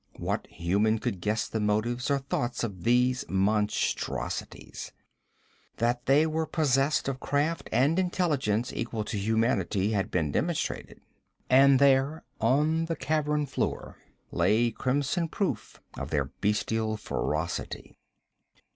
What human could guess the motives or thoughts of these monstrosities? That they were possessed of craft and intelligence equal to humanity had been demonstrated. And there on the cavern floor lay crimson proof of their bestial ferocity.